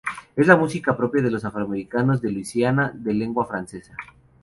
Es la música propia de los afroamericanos de Luisiana de lengua francesa.